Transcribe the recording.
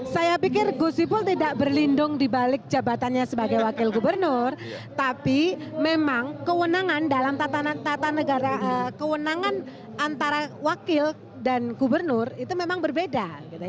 saya pikir gus wipul tidak berlindung dibalik jabatannya sebagai wakil gubernur tapi memang kewenangan antara wakil dan gubernur itu memang berbeda